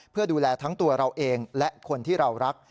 เพื่อดูแลทั้งตัวเราเองและคนที่เรารัก